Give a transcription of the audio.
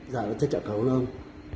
dạ chào cảm ơn ông